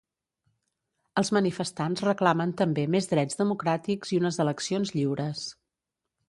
Els manifestants reclamen també més drets democràtics i unes eleccions lliures.